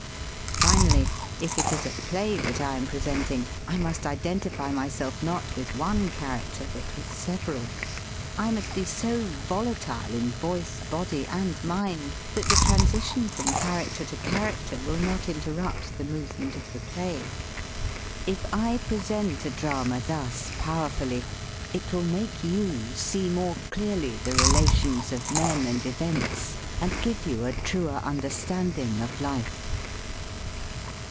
Finally, if it is a play that I am presenting I must identify myself not with one char acter, but with several. I must be so vola tile in voice, body, and mind that the tran sition from character to character will not interrupt the movement of the play. If I present a drama thus powerfully it will make 91 THE SPEAKING VOICE you see more clearly the relations of men and events and give you a truer understanding of life.